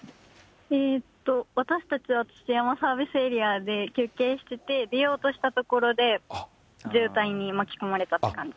私たちは、土山サービスエリアで休憩して、出ようとしたところで、渋滞に巻き込まれたって感じです。